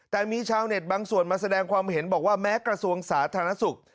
แต่มีชาวเน็ตบางส่วนมาแสดงความเห็นบอกว่าแม้กระทรวงสาธารณสุข